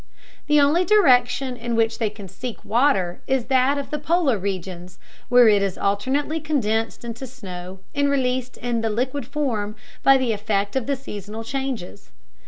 The only direction in which they can seek water is that of the polar regions, where it is alternately condensed into snow and released in the liquid form by the effect of the seasonal changes.